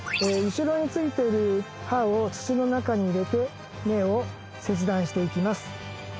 後ろについてる刃を土の中に入れて根を切断していきます